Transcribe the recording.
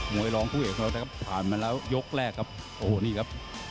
วยรองผู้เอกของเรานะครับผ่านมาแล้วยกแรกครับโอ้โหนี่ครับ